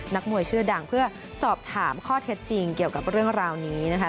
นักมวยชื่อดังเพื่อสอบถามข้อเท็จจริงเกี่ยวกับเรื่องราวนี้นะคะ